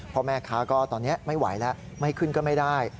พ่อแม่ค้าก็ตอนนี้ไม่ไหวแล้วไม่ขึ้นก็ไม่ได้